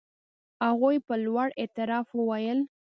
هغوی په لوړ اعتراف وویل.